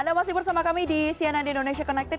anda masih bersama kami di cnn indonesia connected